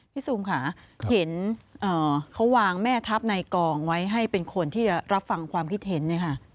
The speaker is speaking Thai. ซูมค่ะเห็นเขาวางแม่ทัพในกองไว้ให้เป็นคนที่รับฟังความคิดเห็นเนี่ยค่ะ